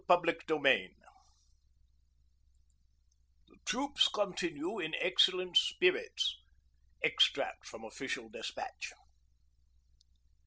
A HYMN OF HATE 'The troops continue in excellent spirits.' EXTRACT FROM OFFICIAL DESPATCH.